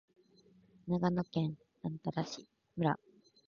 長野県喬木村